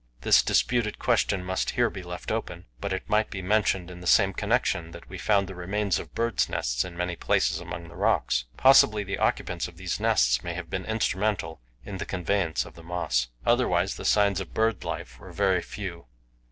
This disputed question must here be left open, but it may be mentioned in the same connection that we found the remains of birds' nests in many places among the rocks. Possibly the occupants of these nests may have been instrumental in the conveyance of the moss. Otherwise, the signs of bird life were very few.